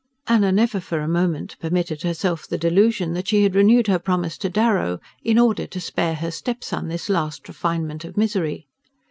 Anna never for a moment permitted herself the delusion that she had renewed her promise to Darrow in order to spare her step son this last refinement of misery.